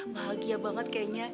bahagia banget kayaknya